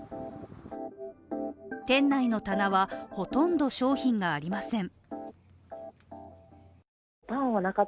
店内の棚は、ほとんど商品がありません。